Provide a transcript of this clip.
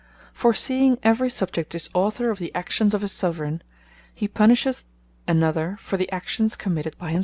For seeing every Subject is author of the actions of his Soveraigne; he punisheth another, for the actions committed by himselfe.